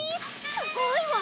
すごいわ！